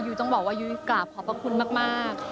ต้องบอกว่ายุ้ยกราบขอบพระคุณมาก